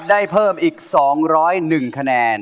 ได้เพิ่มอีก๒๐๑คะแนน